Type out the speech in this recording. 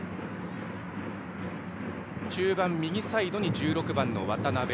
中盤右サイドに１６番の渡邉。